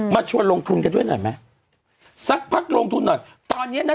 ชวนลงทุนกันด้วยหน่อยไหมสักพักลงทุนหน่อยตอนเนี้ยนะ